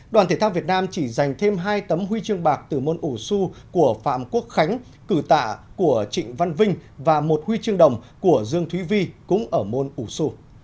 đoàn thể thao việt nam chỉ dành thêm hai tấm huy chương bạc từ môn ủ xu của phạm quốc khánh cử tạ của trịnh văn vinh và một huy chương đồng của dương thúy vi cũng ở môn ủ xu